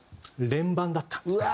連番だったんですよ。